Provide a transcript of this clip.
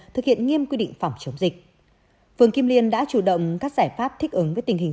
thực hiện nghiêm quy định phòng chống dịch phường kim liên đã chủ động các giải pháp thích ứng với tình hình